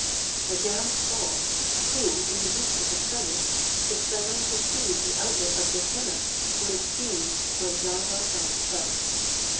A damned soul, who, in the midst of the furnace, should suddenly perceive the outlet of Gehenna, would experience what Jean Valjean felt.